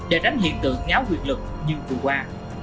để đánh hiện tượng ngáo quyệt lực như vừa qua